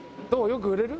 よく売れる？